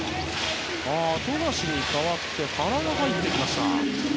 富樫に代わって原が入ってきました。